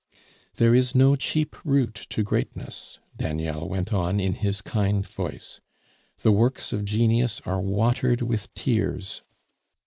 "There is no cheap route to greatness," Daniel went on in his kind voice. "The works of Genius are watered with tears.